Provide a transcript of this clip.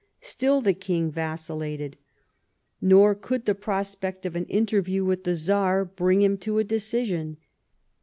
Still the King vacillated. Nor could the pro spect of an interview with the Czar bring him to a decision.